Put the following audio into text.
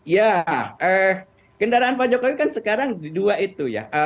ya kendaraan pak jokowi kan sekarang di dua itu ya